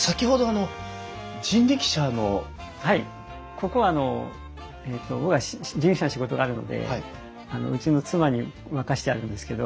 ここはあの僕は人力車の仕事があるのでうちの妻に任せてあるんですけど。